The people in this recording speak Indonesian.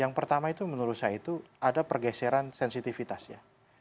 yang pertama itu menurut saya itu ada pergeseran sensitivitasnya